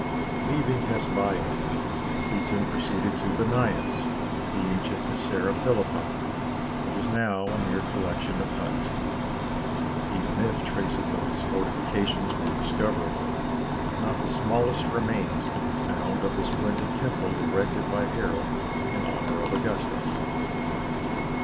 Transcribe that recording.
Leaving Hasbeiya, Seetzen proceeded to Bâniâs, the ancient Casaræa Philippi, which is now a mere collection of huts. Even if traces of its fortifications were discoverable, not the smallest remains could be found of the splendid temple erected by Herod in honour of Augustus.